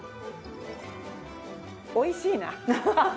おいしいな。